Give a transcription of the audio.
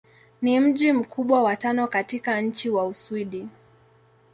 Ni mji mkubwa wa tano katika nchi wa Uswidi.